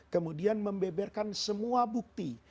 kemudian membeberkan semua bukti